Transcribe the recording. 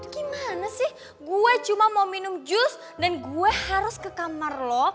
gimana sih gue cuma mau minum jus dan gue harus ke kamar loh